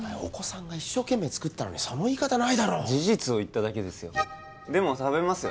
一生懸命作ったのにその言い方は事実を言っただけですよでも食べますよ